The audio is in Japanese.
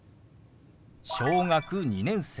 「小学２年生」。